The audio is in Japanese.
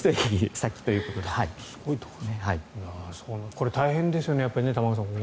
これ、大変ですよね、玉川さん。